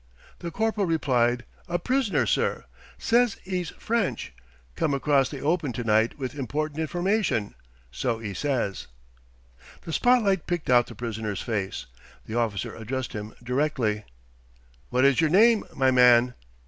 The corporal replied: "A prisoner, sir sez 'e's French come across the open to night with important information so 'e sez." The spot light picked out the prisoner's face. The officer addressed him directly. "What is your name, my man?"